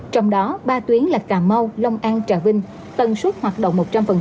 trong đó ba tuyến là cà mau long an trà vinh tầng suốt hoạt động một trăm linh